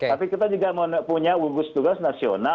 tapi kita juga punya gugus tugas nasional